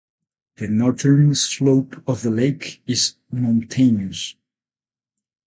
The northern slope of the lake is mountainous.